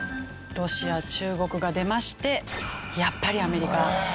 ロシア中国が出ましてやっぱりアメリカ。